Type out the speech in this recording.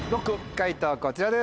解答こちらです。